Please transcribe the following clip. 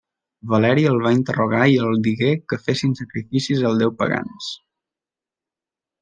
Valeri els va interrogar i els digué que fessin sacrificis als déus pagans.